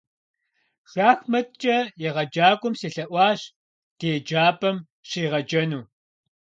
Шахматкӏэ егъэджакӏуэм селъэӏуащ ди еджапӏэми щригъэджэну.